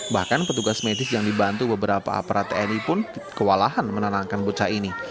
bahkan petugas medis yang dibantu beberapa aparat tni pun kewalahan menenangkan bocah ini